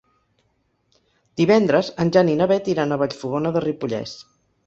Divendres en Jan i na Beth iran a Vallfogona de Ripollès.